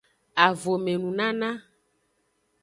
Avome nunana.